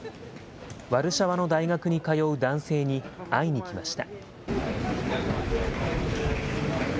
ワルシャワの大学に通う男性に会いに来ました。